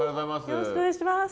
よろしくお願いします。